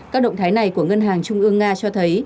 các động thái này của ngân hàng trung ương nga cho thấy